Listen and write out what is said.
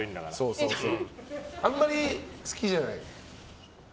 あんまり好きじゃない？